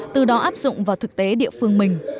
từ đó áp dụng vào thực tế địa phương mình